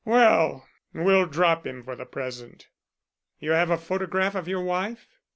"Well, we'll drop him for the present. You have a photograph of your wife?"